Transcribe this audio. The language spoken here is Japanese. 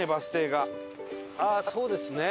ああそうですね。